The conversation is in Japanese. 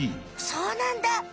そうなんだ！